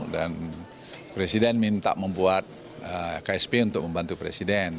dan presiden minta membuat ksp untuk membantu presiden